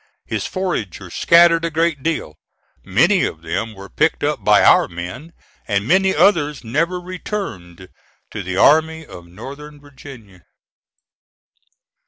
His foragers scattered a great deal; many of them were picked up by our men, and many others never returned to the Army of Northern Virginia.